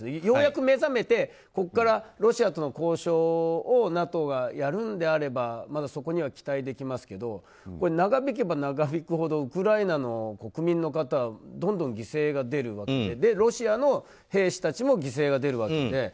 ようやく目覚めてここからロシアとの交渉をＮＡＴＯがやるんであればまだそこには期待できますけど長引けば長引くほどウクライナの国民の方はどんどん犠牲が出るわけでロシアの兵士たちも犠牲が出るわけで。